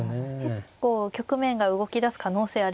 結構局面が動きだす可能性ありますよね。